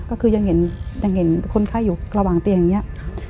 ก็คือยังเห็นยังเห็นคนไข้อยู่ระหว่างเตียงอย่างนี้